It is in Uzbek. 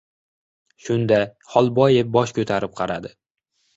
Shunda, Xolboyev bosh ko‘tarib qaradi.